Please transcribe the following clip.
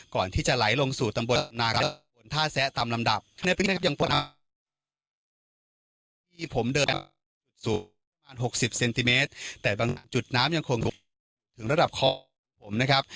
ก่อนที่จะไหลลงสู่ตำบลนาครัดฯถ้าแซตามลำดับ